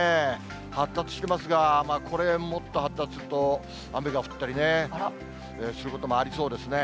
発達してますが、これ、もっと発達すると雨が降ったりね、することもありそうですね。